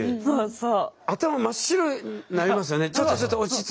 そう。